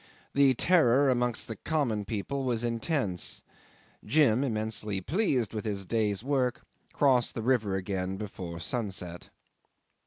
The terror amongst the common people was intense. Jim, immensely pleased with his day's work, crossed the river again before sunset.